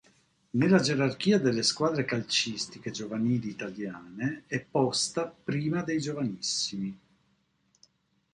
Nella gerarchia delle squadre calcistiche giovanili italiane è posta prima dei Giovanissimi.